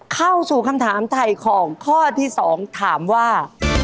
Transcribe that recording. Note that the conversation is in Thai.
เข้าสู่คำถามถ่ายของข้อที่๒ถามว่า